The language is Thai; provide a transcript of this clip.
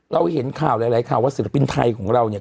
เราเห็นข่าวหลายข่าวว่าศิลปินไทยของเราเนี่ย